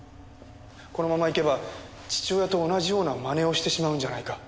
このままいけば父親と同じような真似をしてしまうんじゃないか。